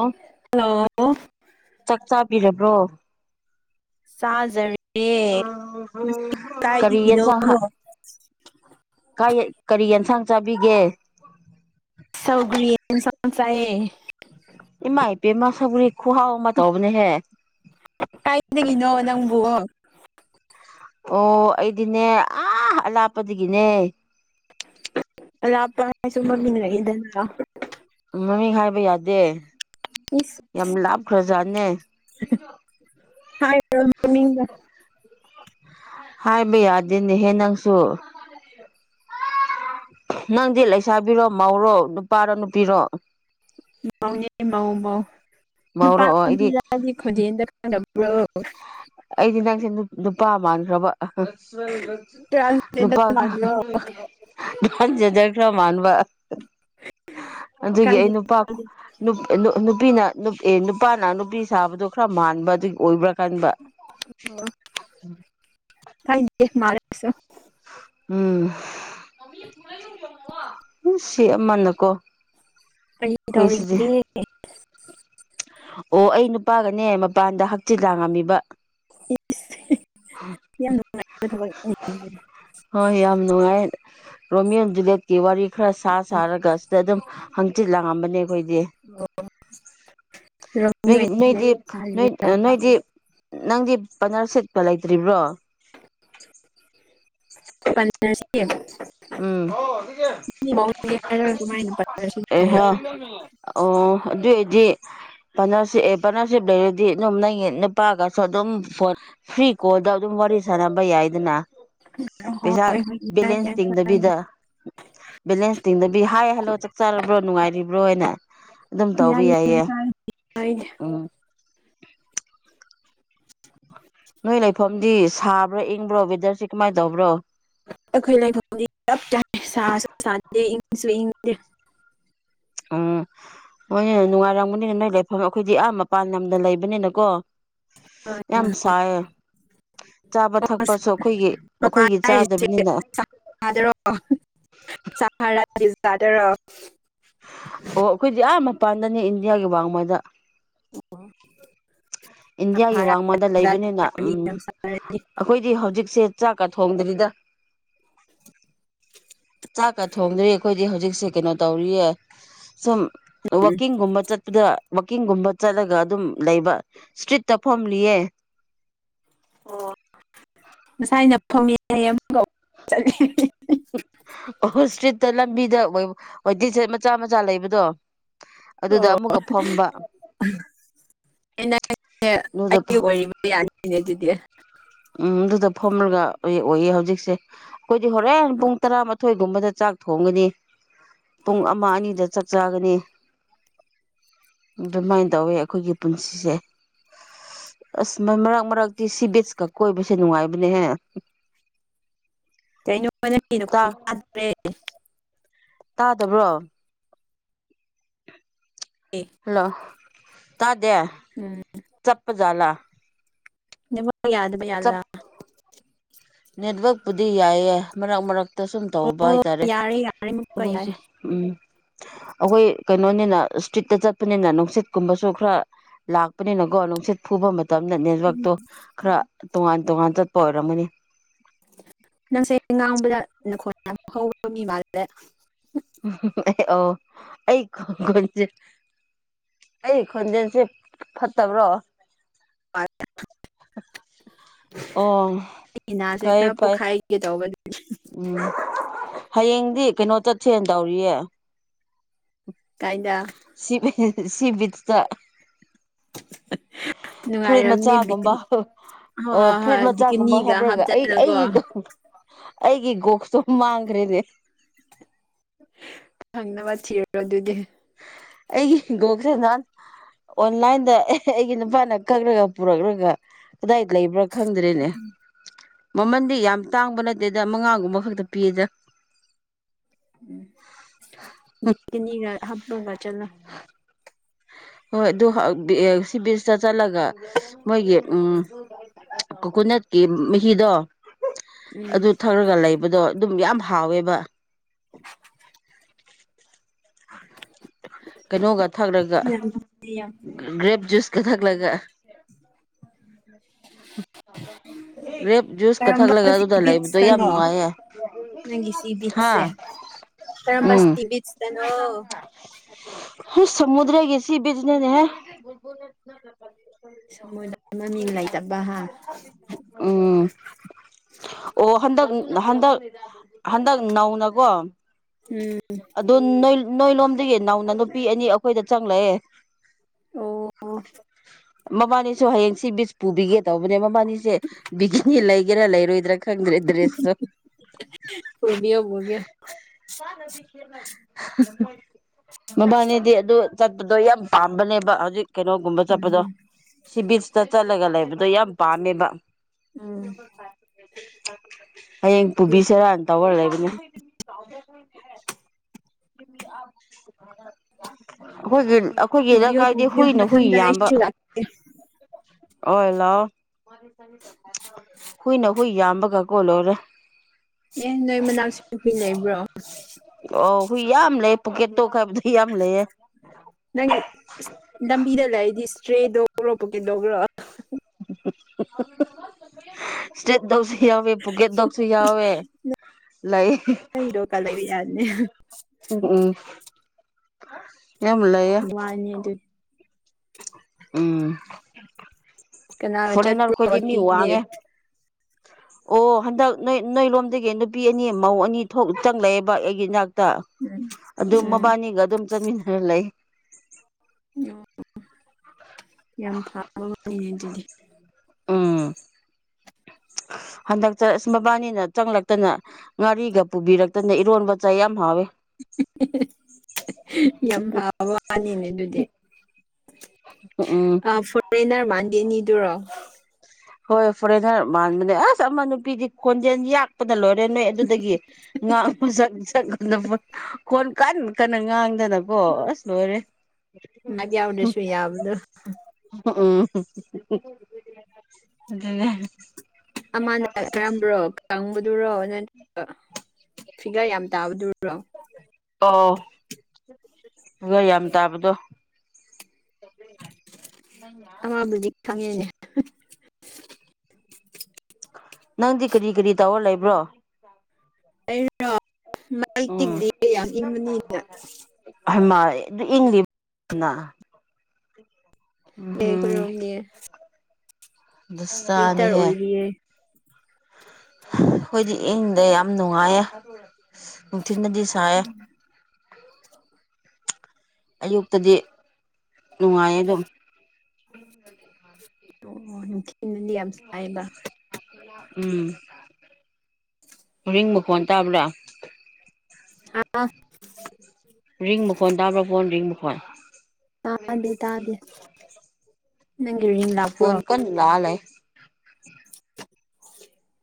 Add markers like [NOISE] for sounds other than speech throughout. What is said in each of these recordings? ꯑꯪ hello ꯆꯥꯛ ꯆꯥꯕꯤꯔꯕ꯭ꯔꯣ ꯆꯥꯖꯔꯤ [INAUDIBLE] ꯀꯔꯤ ꯀꯥꯏꯗꯒꯤꯅꯣ ꯌꯦꯟꯁꯥꯡ ꯍꯥ ꯀꯥꯌꯦ ꯀꯔꯤ ꯌꯦꯟꯁꯥꯡ ꯆꯥꯕꯤꯒꯦ ꯁꯧꯒ꯭ꯔꯤ ꯑꯦꯟꯁꯥꯡ ꯆꯥꯢꯌꯦ ꯏꯃꯥꯢ ꯄꯦꯝꯃ ꯁꯧꯒ꯭ꯔꯤ ꯈꯨꯨꯍꯥꯎꯃ ꯇꯧꯕꯅꯦꯍꯦ ꯈꯨꯍꯥꯎ ꯑꯣ ꯑꯩꯗꯤꯅꯦ ꯑꯥ ꯑꯂꯥꯞꯄꯗꯒꯤꯅꯦ ꯑꯂꯥꯞꯄ ꯍꯥꯢꯁꯨ ꯃꯃꯤꯡ ꯂꯩꯗꯅ ꯃꯃꯤꯡ ꯍꯥꯏꯕ ꯌꯥꯗꯦ ꯏꯁ ꯌꯥꯝ ꯂꯥꯞꯈ꯭ꯔꯖꯥꯠꯅꯦ ꯍꯥꯢꯕ꯭ꯔꯣ ꯃꯃꯤꯡꯒ [UNINTELLIGIBLE] ꯍꯥꯏꯕ ꯑꯗꯦꯅꯦꯍꯦ ꯅꯪꯁꯨ ꯅꯪꯗꯤ ꯂꯩꯁꯥꯕꯤꯔꯣ ꯃꯧꯔꯣ ꯅꯨꯄꯥꯔꯣ ꯅꯨꯄꯤꯔꯣ ꯃꯥꯎꯅꯦ ꯃꯥꯎ ꯃꯥꯎ ꯃꯧꯔꯣ ꯅꯨꯄꯥꯔ ꯑꯣ ꯑꯩꯗꯤ ꯅꯨꯄꯤꯔ ꯍꯥꯢꯗꯤ ꯈꯣꯟꯖꯦꯜꯗ ꯈꯪꯗ꯭ꯔꯕ [UNINTELLIGIBLE] [UNINTELLIGIBLE] ꯑꯩꯗꯤ ꯅꯪꯁꯦ ꯅꯨꯄꯥ ꯃꯥꯟꯈ꯭ꯔꯕ ꯅꯨꯄꯥ ꯇ꯭ꯔꯥꯟꯁꯖꯦꯟꯗꯔ ꯈꯔ ꯃꯥꯟꯕ꯭ꯔꯣ [INAUDIBLE] ꯊꯥꯔꯠ ꯖꯦꯟꯗꯔ ꯈ꯭ꯔ ꯃꯥꯟꯕ ꯑꯗꯨꯒꯤ ꯑꯩ ꯀꯥꯏꯗꯒꯤ ꯅꯨꯄꯥ ꯅꯨ ꯅꯨ ꯅꯨꯄꯤꯅ ꯑꯦ ꯅꯨꯄꯥꯅ ꯅꯨꯄꯤ ꯁꯥꯕꯗꯣ ꯈꯔ ꯃꯥꯟꯕ ꯑꯗꯨꯒꯤ ꯑꯣꯏꯕ꯭ꯔꯥ ꯈꯟꯕ ꯑꯣ ꯀꯥꯏꯗꯦ ꯃꯥꯜꯂꯁꯨ ꯎꯝ ꯎ ꯁꯤ ꯑꯃꯅꯀꯣ ꯀꯔꯤ ꯑꯩꯈꯣꯏ ꯁꯤꯗꯤ ꯇꯧꯔꯤꯒꯦ ꯑꯣ ꯑꯩ ꯅꯨꯄꯥꯒꯅꯦ ꯃꯄꯥꯟꯗ ꯍꯛꯆꯤꯛ ꯂꯥꯡꯉꯝꯃꯤꯕ ꯌꯥꯝ ꯅꯨꯡꯉꯥꯏꯕ ꯊꯕꯛꯅꯤꯅꯦ ꯑꯗꯨꯗꯤ ꯍꯣꯏ ꯌꯥꯝ ꯅꯨꯡꯉꯥꯏ ꯔꯣꯃꯤꯌꯣ ꯖꯨꯂꯤꯦꯠꯀꯤ ꯋꯥꯔꯤ ꯈꯔ ꯁꯥ ꯁꯥꯔꯒ ꯑꯁꯤꯗ ꯑꯗꯨꯝ ꯍꯪꯆꯤꯠ ꯂꯥꯛꯉꯝꯕꯅꯦ ꯈꯣꯏꯗꯤ ꯔꯣꯃꯤꯌꯣ ꯑꯦꯟ ꯅꯣꯏꯒꯤꯗꯤ ꯖꯨꯂꯤꯌꯦꯠ ꯅꯣꯏꯗꯤ ꯅꯣꯏ ꯁꯥꯔꯤꯔ ꯅꯣꯏꯗꯤ ꯅꯪꯗꯤ ꯄꯥꯠꯅꯔꯁꯤꯞꯀ ꯂꯩꯇ꯭ꯔꯤꯕ꯭ꯔꯣ ꯄꯥꯅꯔꯁꯤꯞ ꯎꯝ [INAUDIBLE] ꯑꯦꯍꯦ ꯑꯣ ꯑꯗꯨ ꯑꯣꯢꯗꯤ [INAUDIBLE] ꯄꯥꯅꯔꯁꯤ ꯑꯦ ꯄꯥꯔꯠꯅꯔꯁꯤꯞ ꯂꯩꯔꯗꯤ ꯑꯗꯨꯝ ꯅꯣꯏꯒꯤ ꯅꯨꯄꯥꯒꯁꯨ ꯑꯗꯨꯝ ꯐꯣꯟ ꯐ꯭ꯔꯤ ꯀꯣꯜꯗ ꯑꯗꯨꯝ ꯋꯥꯔꯤ ꯁꯥꯅꯕ ꯌꯥꯏꯗꯅ ꯄꯩꯁꯥ ꯕꯤꯂꯦꯟꯁ ꯇꯤꯡꯗꯕꯤꯗ ꯑꯩꯈꯣꯏ ꯕꯦꯂꯦꯟꯁ ꯇꯤꯡꯗꯕꯤ ꯍꯥꯏ ꯍꯜꯂꯣ ꯆꯥꯛ ꯆꯥꯔꯕ꯭ꯔꯣ ꯅꯨꯡꯉꯥꯏꯔꯤꯕ꯭ꯔꯣ ꯍꯥꯏꯅ ꯑꯗꯨꯝ ꯇꯧꯕ ꯌꯥꯏꯌꯦ ꯎꯝ ꯅꯣꯏ ꯂꯩꯐꯝꯗꯤ ꯁꯥꯕ꯭ꯔꯣ ꯏꯪꯕ꯭ꯔꯣ ꯋꯦꯗꯔꯁꯤ ꯀꯃꯥꯏ ꯇꯧꯕ꯭ꯔꯣ ꯑꯩꯈꯣꯏ ꯂꯩꯐꯝꯗꯤ ꯆꯞ ꯆꯥꯢ ꯁꯥꯁꯨ ꯁꯥꯗꯦ ꯏꯪꯁꯨ ꯏꯪꯗꯦ [INAUDIBLE] ꯎꯪ ꯍꯣꯏꯅꯦ ꯅꯨꯡꯉꯥꯏꯔꯝꯒꯅꯤꯅꯦ ꯅꯣꯏ ꯂꯩꯐꯝ ꯑꯩꯈꯣꯏꯗꯤ ꯑꯥ ꯃꯄꯥꯟ ꯂꯝꯗ ꯂꯩꯕꯅꯤꯅꯀꯣ ꯌꯥꯝ ꯁꯥꯢꯌꯦ ꯑꯁ ꯃꯄꯥꯟ ꯑꯩꯈꯣꯏꯒꯤ ꯍꯥꯢꯔꯤꯁꯦ ꯆꯥꯗꯕꯅꯤꯅ [UNINTELLIGIBLE] [UNINTELLIGIBLE] ꯑꯣ ꯑꯩꯈꯣꯏꯗꯤ ꯑꯥ ꯃꯄꯥꯟꯗꯅꯦ ꯏꯟꯗꯤꯌꯥꯒꯤ ꯋꯥꯡꯃꯗ [UNINTELLIGIBLE] ꯏꯟꯗꯤꯌꯥꯒꯤ ꯁꯍꯔꯥꯒꯤ ꯋꯥꯡꯃꯗ ꯂꯩꯕꯅꯤꯅ ꯖꯥꯠꯇꯔꯗꯤ ꯎꯝ ꯌꯥꯝ ꯁꯥꯔꯗꯤ ꯑꯩꯈꯣꯏꯗꯤ ꯍꯧꯖꯤꯛꯁꯦ ꯆꯥꯛꯀ ꯊꯣꯡꯗ꯭ꯔꯤꯗ [INAUDIBLE] ꯆꯥꯛꯀ ꯊꯣꯡꯗ꯭ꯔꯤ ꯑꯩꯈꯣꯏꯗꯤ ꯍꯧꯖꯤꯛꯁꯦ ꯀꯩꯅꯣ ꯇꯧꯔꯤꯌꯦ ꯁꯨꯝ ꯋꯥꯛꯀꯤꯡꯒꯨꯝꯕ ꯆꯠꯄꯗ ꯋꯥꯛꯀꯤꯡꯒꯨꯝꯕ ꯆꯠꯂꯒ ꯑꯗꯨꯝ ꯂꯩꯕ ꯏꯁꯇ꯭ꯔꯤꯠꯇ ꯐꯣꯝꯂꯤꯌꯦ ꯑꯣ ꯉꯁꯥꯏꯅ ꯐꯝꯃꯤ ꯍꯥꯢꯌꯦ ꯑꯃꯨꯛꯀ ꯑꯃꯨꯛ ꯆꯠꯂꯦ ꯑꯣ ꯏꯁꯇ꯭ꯔꯤꯠꯇ ꯂꯝꯕꯤꯗ ꯋꯦꯇꯤꯡ ꯁꯦꯠ ꯃꯆꯥ ꯃꯆꯥ ꯂꯩꯕꯗꯣ ꯑꯗꯨꯗ ꯑꯣ ꯑꯃꯨꯛꯀ ꯐꯝꯕ [UNINTELLIGIBLE] ꯑꯗꯨꯗ ꯑꯩꯒꯤ ꯑꯣꯏꯔꯕ ꯌꯥꯅꯤꯅꯦ ꯑꯗꯨꯗꯤ ꯎꯝ ꯑꯗꯨꯗ ꯐꯝꯂꯒ ꯑꯣꯏꯌꯦ ꯍꯧꯖꯤꯛꯁꯦ ꯑꯩꯈꯣꯏꯗꯤ ꯍꯣꯔꯦꯟ ꯄꯨꯡ ꯇꯔꯥ ꯊꯣꯏꯒꯨꯝꯕꯗ ꯆꯥꯛ ꯊꯣꯡꯒꯅꯤ ꯄꯨꯡ ꯑꯃ ꯑꯅꯤꯗ ꯆꯥꯛ ꯆꯥꯒꯅꯤ ꯑꯗꯨꯃꯥꯏꯅ ꯇꯧꯋꯤ ꯑꯩꯈꯣꯏꯒꯤ ꯄꯨꯟꯁꯤꯁꯦ ꯑꯁ ꯃꯔꯛ ꯃꯔꯛꯇꯤ ꯁꯤ ꯕꯤꯁꯀ ꯀꯣꯏꯕꯁꯦ ꯅꯨꯡꯉꯥꯏꯕꯅꯦꯍꯦ ꯀꯩꯅꯣ ꯅꯪꯒꯤ ꯇꯥ ꯅꯈꯣꯟ ꯇꯥꯗ꯭ꯔꯦ [UNINTELLIGIBLE] ꯇꯥꯗꯕ꯭ꯔꯣ ꯍꯜꯂꯣ ꯗꯦ ꯎꯝ ꯆꯞꯄꯖꯥꯠꯂ ꯅꯦꯠꯋꯥꯛ ꯌꯥꯗꯕ ꯆꯞ ꯖꯥꯠꯂ ꯅꯦꯠꯋꯔꯛꯄꯨꯗꯤ ꯌꯥꯏꯌꯦ ꯃꯔꯛ ꯃꯔꯛ ꯇ ꯁꯨꯝ ꯇꯧꯕ ꯑꯣ ꯍꯥꯏꯇꯥꯔꯦ ꯌꯥꯔꯦ ꯌꯥꯔꯦ ꯑꯃꯨꯛꯀ ꯌꯥꯏ ꯑꯩꯈꯣꯏꯁꯦ ꯎꯝ ꯑꯩꯈꯣꯏ ꯀꯩꯅꯣꯅꯤꯅ ꯏꯁꯇ꯭ꯔꯤꯠꯇ ꯆꯠꯄꯅꯤꯅ ꯅꯨꯡꯁꯤꯠꯀꯨꯝꯕꯁꯨ ꯈꯔ ꯂꯥꯛꯄꯅꯤꯅꯀꯣ ꯅꯨꯡꯁꯤꯠ ꯐꯨꯕ ꯃꯠ ꯇꯝꯗ ꯅꯦꯠꯋꯥꯛꯇꯣ ꯈꯔ ꯇꯣꯉꯥꯟ ꯇꯣꯉꯥꯟ ꯆꯠꯄ ꯑꯣꯏꯔꯝꯃꯅꯤ ꯅꯪꯁꯦ ꯉꯥꯡꯕꯗ [UNINTELLIGIBLE] ꯃꯤ ꯃꯥꯜꯂꯦ ꯑꯣ ꯑꯩ ꯈꯣꯟꯖꯦ ꯑꯩ ꯈꯣꯟꯖꯦꯜꯁꯦ ꯐꯠꯇꯕ꯭ꯔꯣ [UNINTELLIGIBLE] ꯑꯣ ꯑꯩ ꯏꯅꯥꯁꯦ ꯐꯩ ꯈꯔ ꯐꯩ ꯄꯣꯛꯈꯥꯏꯒꯦ ꯇꯧꯕꯅꯤ ꯎꯝ ꯍꯌꯦꯡꯗꯤ ꯀꯩꯅꯣ ꯆꯠꯁꯦꯅ ꯇꯧꯔꯤꯌꯦ ꯀꯥꯏꯗ ꯁꯤ ꯁꯤ ꯕꯤꯆ ꯇ [INAUDIBLE] ꯐꯨꯔꯤꯠ ꯅꯨꯡꯉꯥꯏꯔꯝꯅꯤ ꯃꯆꯥꯒꯨꯝꯕ ꯕꯤꯀꯤꯟ ꯍꯣꯏ ꯑꯣ ꯍꯣꯏ ꯐꯨꯔꯤꯠ ꯍꯣꯏ ꯃꯆꯥꯒꯨꯝꯕ ꯕꯤꯀꯤꯅꯤꯒ ꯍꯥꯞꯔꯒ ꯑꯩ ꯍꯥꯞꯇꯅꯀꯣ ꯑꯩꯒꯤ ꯑꯩꯒꯤ ꯒꯣꯛꯁꯇꯣ ꯃꯥꯡꯒ꯭ꯔꯦꯅꯦ ꯅꯕ ꯊꯤꯔꯣ ꯑꯗꯨꯗꯤ ꯑꯩꯒꯤ ꯒꯣꯛꯁꯦ ꯅꯍꯥꯟ ꯑꯣꯟꯂꯥꯏꯟꯗ ꯑꯩꯒꯤ ꯅꯨꯄꯥꯅ ꯀꯛꯂꯒ ꯄꯨꯔꯛꯂꯒ ꯀꯗꯥꯏ ꯂꯩꯕ꯭ꯔꯥ ꯈꯪꯗ꯭ꯔꯦꯅꯦ ꯃꯃꯟꯗꯤ ꯌꯥꯝ ꯇꯥꯡꯕ ꯅꯠꯇꯦꯗ ꯃꯉꯥꯒꯨꯝꯕ ꯈꯛꯇ ꯄꯤꯌꯦꯗ ꯕꯤꯀꯤꯅꯤꯒ ꯍꯥꯞꯔꯒ ꯆꯠꯂꯣ ꯍꯣꯏ ꯑꯗꯨ ꯍꯥ ꯁꯤ ꯕꯤꯆꯇ ꯆꯠꯂꯒ ꯃꯣꯏꯒꯤ ꯎꯝ ꯀꯣꯀꯣꯅꯠꯀꯤ ꯃꯍꯤꯗꯣ ꯎꯝ ꯑꯗꯨ ꯊꯛꯔꯒ ꯂꯩꯕꯗꯣ ꯑꯗꯨꯝ ꯌꯥꯝ ꯍꯥꯎꯋꯦꯕ [INAUDIBLE] ꯀꯩꯅꯣꯒ ꯊꯛꯂꯒ ꯌꯥꯝ ꯌꯥꯝ ꯒ꯭ꯔꯦꯞ ꯖꯨꯁꯀ ꯊꯛꯂꯒ ꯒ꯭ꯔꯦꯞ ꯖꯨꯁꯀ ꯀꯔꯝꯕ ꯊꯛꯂꯒ ꯁꯤ ꯑꯗꯨꯗ ꯂꯩꯕꯗꯣ ꯌꯥꯝ ꯕꯤꯠꯁꯇꯅꯣ ꯅꯨꯡꯉꯥꯏꯌꯦ ꯅꯪꯒꯤ ꯁꯤ ꯍꯥꯥ ꯕꯤꯠꯁꯦ ꯀꯔꯝꯕ ꯎꯝ ꯁꯤ ꯕꯤꯠꯁꯇꯅꯣ ꯍꯁ ꯁꯃꯨꯗ꯭ꯔꯒꯤ ꯁꯤ ꯕꯤꯆꯅꯤꯅꯦꯍꯦ ꯃꯣꯏꯗ ꯃꯃꯤꯡ ꯂꯩꯇꯕ ꯍꯥ ꯎꯝ ꯑꯣ ꯍꯟꯗꯛ ꯍꯟꯗꯛ ꯍꯟꯗꯛ ꯅꯧꯅꯀꯣ ꯎꯝ ꯑꯗꯨ ꯅꯣꯏ ꯅꯣꯏ ꯂꯣꯝꯗꯒꯤ ꯅꯧꯅ ꯅꯨꯄꯤ ꯑꯅꯤ ꯑꯩꯈꯣꯏꯗ ꯆꯪꯂꯛꯑꯦ ꯑꯣ ꯃꯕꯥꯅꯤꯁꯨ ꯍꯌꯦꯡ ꯁꯤ ꯕꯤꯆ ꯄꯨꯕꯤꯒꯦ ꯇꯧꯕꯅꯦ ꯃꯕꯥꯅꯤꯁꯦ ꯕꯤꯒꯤꯅꯤ ꯂꯩꯒꯦꯔꯥ ꯂꯩꯔꯣꯏꯗ꯭ꯔꯥ ꯈꯪꯗ꯭ꯔꯦ ꯗ꯭ꯔꯦꯁ ꯇꯣ ꯄꯨꯕꯤꯌꯣ ꯄꯨꯕꯤꯌꯣ ꯃꯕꯥꯅꯤꯗꯤ ꯑꯗꯨ ꯆꯠꯄꯗꯣ ꯌꯥꯝ ꯄꯥꯝꯕꯅꯦꯕ ꯍꯧꯖꯤꯛ ꯀꯩꯅꯣꯒꯨꯝꯕ ꯆꯠꯄꯗꯣ ꯎꯝ ꯁꯤ ꯕꯤꯆꯇ ꯆꯠꯂꯒ ꯂꯩꯕ ꯑꯗꯣ ꯌꯥꯝ ꯄꯥꯝꯃꯦꯕ ꯎꯝ ꯍꯌꯦꯡ ꯄꯨꯕꯤꯁꯤꯔꯥꯅ ꯇꯧꯔ ꯂꯩꯕꯅꯦ ꯑꯈꯣꯏꯒꯤ ꯑꯩꯈꯣꯏꯒꯤꯗ ꯄꯨꯕꯤꯌꯣ ꯂꯩꯀꯥꯏꯗꯤ ꯄꯨꯕꯤꯌꯣ ꯍꯨꯏꯅ ꯍꯨꯏ ꯃꯊꯪꯗ ꯌꯥꯝꯕ ꯑꯩꯁꯨ ꯑꯣꯏ ꯂꯥꯛꯑꯣ ꯍꯨꯢꯅ ꯍꯨꯏ ꯌꯥꯝꯕꯒ ꯀꯣ ꯂꯣꯢꯔꯦ ꯑꯦ ꯅꯣꯏ ꯃꯅꯥꯛꯁꯨ ꯍꯨꯏ ꯂꯩꯕ꯭ꯔꯣ ꯑꯣ ꯍꯨꯏ ꯌꯥꯝ ꯂꯩꯑꯦ ꯄꯣꯀꯦꯠ ꯗꯣꯛ ꯍꯥꯏꯕꯗꯣ ꯌꯥꯝ ꯂꯩꯌꯦ ꯅꯪꯒꯤ ꯂꯝꯕꯤꯗ ꯂꯩꯔꯗꯤ ꯇ꯭ꯔꯦꯗꯣ ꯄꯨꯔꯛꯄ ꯀꯩꯗꯧꯕ꯭ꯔꯣ ꯁꯇ꯭ꯔꯤꯠ ꯗꯣꯛꯁꯤ ꯌꯥꯎꯋꯦ ꯄꯨꯀꯦꯠ ꯗꯣꯛꯁꯨ ꯌꯥꯎꯋꯦ ꯂꯩ ꯑꯩ ꯗꯣꯒꯀ ꯂꯩꯕ ꯌꯥꯅꯤ ꯎꯝ ꯎꯝ ꯌꯥꯝ ꯂꯩꯥꯌꯦ ꯋꯥꯅꯤ ꯑꯗꯨ ꯎꯝ ꯀꯅꯥꯒ ꯐꯣꯔꯦꯟꯅꯔ ꯆꯠꯄ꯭ꯔꯣ ꯈꯣꯢꯗꯤ ꯃꯤ ꯋꯥꯛꯀꯤꯡꯗꯤ ꯋꯥꯡꯉꯦ ꯑꯣ ꯍꯟꯗꯛ ꯅꯣꯏ ꯅꯣꯏ ꯂꯣꯝꯗꯒꯤ ꯅꯨꯄꯤ ꯑꯅꯤ ꯃꯧ ꯑꯅꯤ ꯊꯣꯛ ꯆꯪꯂꯛꯌꯦꯕ ꯑꯩꯒꯤ ꯏꯅꯥꯛ ꯇ ꯎꯝ ꯑꯗꯨꯝ ꯎꯝ ꯃꯕꯥꯅꯤꯒ ꯑꯗꯨꯝ ꯆꯠꯃꯤꯟꯅꯔ ꯂꯩ ꯑꯣ ꯌꯥꯝ ꯐꯕꯋꯥꯅꯤꯅꯦ ꯑꯗꯨꯗꯤ [INAUDIBLE] ꯍꯟꯗꯛ ꯆꯠ ꯃꯕꯥꯅꯤꯅ ꯆꯪꯂꯛꯇꯅ ꯉꯥꯔꯤꯒ ꯄꯨꯕꯤꯔꯛꯇꯅ ꯏꯔꯣꯟꯕ ꯆꯥꯢ ꯌꯥꯝ ꯍꯥꯎꯋꯦ [UNINTELLIGIBLE] ꯌꯥꯝ ꯐꯕ ꯋꯥꯅꯤꯅꯦ ꯑꯗꯨꯗꯤ ꯎꯝ ꯑꯥ ꯐꯣꯔꯦꯟꯅꯔ ꯃꯥꯟꯕꯤ ꯑꯅꯤ ꯗꯨꯔꯣ ꯍꯣꯏ ꯐꯣꯔꯦꯟꯅꯔ ꯃꯥꯟꯕꯅꯦ ꯑꯁ ꯑꯃ ꯅꯨꯄꯤꯗꯤ ꯈꯣꯟꯖꯦꯜ ꯌꯥꯛꯄ ꯅ ꯂꯣꯏꯔꯦ ꯅꯣꯏ ꯑꯗꯨꯗꯒꯤ ꯉꯥꯡ ꯁꯛꯄꯗꯀꯣ ꯈꯣꯟ ꯀꯟ ꯀꯟꯅ ꯉꯥꯡ ꯗꯅꯀꯣ ꯑꯁ ꯂꯣꯢꯔꯦ ꯃꯥꯏꯞ ꯌꯥꯎꯗ꯭ꯔꯁꯨ ꯌꯥꯕꯗꯣ ꯍꯎꯝ ꯑꯗꯨꯅꯦ ꯑꯃꯅ ꯀꯔꯝꯕꯔꯣ ꯀꯪꯕꯗꯨꯔꯣ ꯅꯠꯇ꯭ꯔꯒ ꯐꯤꯒꯔ ꯌꯥꯝ ꯇꯥꯕꯗꯨꯔꯣ ꯑꯣ ꯐꯤꯒꯔ ꯌꯥꯝ ꯇꯥꯕꯗꯣ ꯑꯃꯕꯨꯗꯤ ꯈꯪꯉꯦꯅꯦ ꯅꯪꯗꯤ ꯀꯔꯤ ꯀꯔꯤ ꯇꯧꯔ ꯂꯩꯕ꯭ꯔꯣ ꯑꯩꯔ ꯃꯩ ꯎꯝ ꯇꯤꯛꯂꯤꯌꯦ ꯌꯥꯝ ꯏꯪꯕꯅꯤꯅ ꯍꯩꯃꯥ ꯑꯗꯨ ꯏꯪꯂꯤꯕꯅ [UNINTELLIGIBLE] ꯎꯝꯍꯨꯝ [UNINTELLIGIBLE] ꯋꯤꯟꯇꯔ ꯗꯁꯥꯅꯦꯍꯦ ꯑꯣꯏꯔꯤꯌꯦ ꯈꯣꯢꯏꯗꯤ ꯏꯪꯗꯦ ꯌꯥꯝ ꯅꯨꯡꯉꯥꯏꯌꯦ ꯅꯨꯡꯊꯤꯟꯗꯗꯤ ꯁꯥꯏꯑꯦ ꯑꯌꯨꯛꯇꯗꯤ ꯅꯨꯡꯉꯥꯏꯌꯦ ꯑꯗꯨꯝ ꯑꯣ ꯅꯨꯡꯊꯤꯟꯗꯗꯤ ꯌꯥꯝ ꯁꯥꯏꯕ ꯎꯝ ꯔꯤꯡ ꯃꯈꯣꯟ ꯇꯥꯕ꯭ꯔꯥ ꯍꯥ ꯔꯤꯡ ꯃꯈꯣꯟ ꯇꯥꯕ꯭ꯔꯥ ꯐꯣꯟ ꯔꯤꯡ ꯃꯈꯣꯟ ꯇꯥꯗꯦ ꯇꯥꯗꯦ ꯐꯣꯟ ꯀꯟ ꯂꯥꯛꯑ ꯂꯩ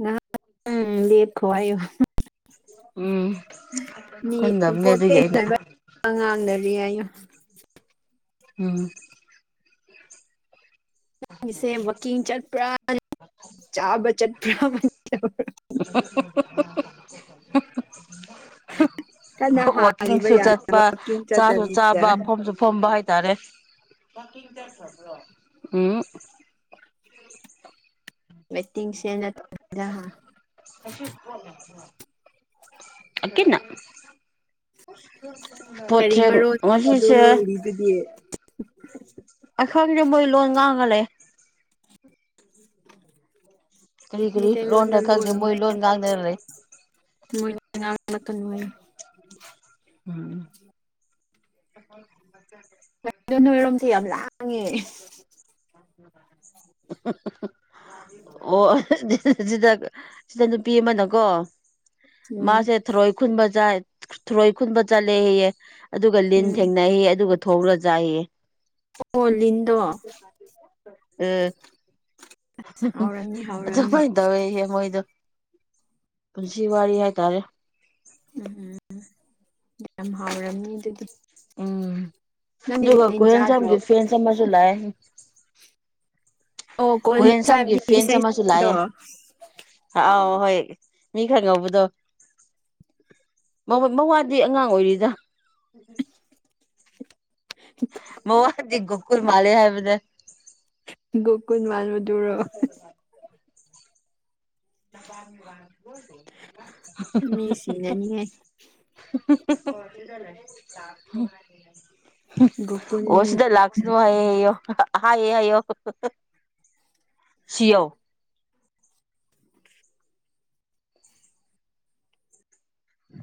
ꯉꯍꯥꯛꯇꯪ ꯂꯦꯞꯈꯣ ꯍꯥꯢꯌꯣ ꯎꯝ ꯃꯤ ꯀꯨꯟꯗꯕꯅꯦ ꯑꯗꯨꯒꯤ ꯏꯝꯄꯣꯔꯇꯦꯟ ꯑꯩꯅ ꯑꯣꯢꯕ ꯋꯥ ꯉꯥꯛ [UNINTELLIGIBLE] ꯁꯟꯅꯔꯤ ꯍꯥꯢꯌꯣ ꯎꯝ ꯅꯪꯒꯤꯁꯦ ꯋꯥꯛꯀꯤꯡ ꯆꯠꯄ꯭ꯔꯥ ꯆꯥꯕ ꯆꯠꯄ꯭ꯔꯥ ꯑꯃꯥꯗꯤ ꯇꯧꯔꯝ [UNINTELLIGIBLE] ꯀꯟꯅ ꯍꯥꯜꯂꯤꯕ ꯋꯥꯛꯀꯤꯡꯁꯨ ꯌꯥꯗꯕ ꯆꯠꯄ ꯋꯥꯛꯀꯤꯡ ꯆꯥꯁꯨ ꯆꯠꯇꯕꯤꯗ ꯆꯥꯕ ꯐꯝꯁꯨ ꯐꯝꯕ ꯍꯥꯏꯇꯥꯔꯦ ꯋꯥꯛꯀꯤꯡ ꯆꯠꯈꯔꯥꯕꯣ ꯎꯝ ꯍꯨꯝ ꯃꯦꯇꯤꯡ ꯁꯦ [INAUDIBLE] ꯍꯥ ꯑꯪ ꯀꯦꯅ ꯀꯔꯤ ꯄꯣꯠꯇꯦꯡ ꯃꯔꯣꯟ ꯑꯗꯨ ꯉꯁꯤꯁꯦ ꯂꯣꯜꯂꯤꯗꯨꯗꯤ ꯈꯪꯗꯦ ꯃꯣꯢ ꯂꯣꯟ ꯉꯥꯡ ꯉꯥꯒ ꯂꯩꯌꯦ ꯃꯤꯇꯩ ꯂꯣꯟꯗ ꯂꯣꯟꯔ ꯈꯪꯗꯦ ꯃꯣꯏ ꯂꯣꯟꯂꯣꯢ ꯂꯣꯟ ꯉꯥꯡꯗꯅ ꯂꯩ [UNINTELLIGIBLE] ꯃꯣꯢꯅ ꯉꯥꯡꯕ [UNINTELLIGIBLE] ꯎꯝ ꯀꯔꯤꯅꯣ ꯅꯣꯢ ꯔꯣꯝꯁꯦ ꯌꯥꯝ ꯂꯥꯡꯉꯦ ꯑꯣꯏ [UNINTELLIGIBLE] ꯁꯤꯗ ꯁꯤꯗ ꯅꯨꯄꯤ ꯑꯃꯅꯀꯣ ꯎꯝ ꯃꯥꯁꯦ ꯊꯔꯣꯏ ꯈꯨꯟꯕ ꯊꯔꯣꯏ ꯈꯨꯟꯕ ꯆꯠꯂꯦ ꯍꯥꯢꯌꯦ ꯑꯗꯨꯒ ꯂꯤꯟ ꯎꯝ ꯊꯦꯡꯅꯩ ꯍꯥꯏꯌꯦ ꯑꯗꯨꯒ ꯊꯣꯡꯂ ꯆꯥꯢꯌꯦ ꯑꯣ ꯂꯤꯟꯗꯣ [UNINTELLIGIBLE] ꯍꯥꯎꯔꯝꯅꯤ ꯍꯥꯎꯔꯝꯅꯤ ꯑꯗꯨꯃꯥꯏ ꯇꯧꯋꯦꯌꯦ ꯃꯣꯏꯗꯣ ꯄꯨꯟꯁꯤ ꯋꯥꯔꯤ ꯍꯥꯏ ꯇꯥꯔꯦ ꯎꯝ ꯎꯝ ꯌꯥꯝ ꯍꯥꯎꯔꯝꯅꯤ ꯑꯗꯨꯗꯤ ꯎꯝ ꯅꯪꯗꯤ ꯑꯗꯨꯒ ꯔꯦꯟ ꯆꯥꯗ꯭ꯔꯣ ꯀꯣꯍꯦꯟꯁꯝꯒꯤ ꯐꯦꯟꯁ ꯑꯃꯁꯨ ꯂꯥꯛꯑꯦ ꯑꯣ ꯀꯣꯟ ꯀꯨꯍꯦꯟꯁꯥꯝꯒꯤ ꯆꯥꯕꯗꯤ ꯐꯦꯟꯁ ꯑꯃꯁꯨ ꯏꯁꯩꯗꯣ ꯂꯥꯛꯑꯦ ꯑꯥꯎ ꯍꯣꯏ ꯃꯤ ꯈꯔꯥ ꯉꯧꯕꯗꯣ [UNINTELLIGIBLE] ꯃꯋꯥꯗꯤ ꯑꯉꯥꯡ ꯑꯣꯏꯔꯤꯗ ꯃꯋꯥꯗꯤ ꯒꯣꯀꯨꯨꯜ ꯃꯥꯂꯦ ꯍꯥꯏꯕꯅꯦ ꯒꯣꯀꯨꯟ ꯃꯥꯟꯕꯗꯨꯔꯣ [UNINTELLIGIBLE] ꯃꯤ ꯁꯤꯅꯅꯤꯍꯦ [UNINTELLIGIBLE] ꯒꯣꯀꯨꯟ ꯑꯣ ꯁꯤꯗ ꯂꯥꯛꯁꯅꯨ ꯍꯥꯏꯌꯦꯌꯣ ꯑꯍꯥꯌꯦ ꯍꯥꯏꯌꯣ ꯁꯤꯑꯣ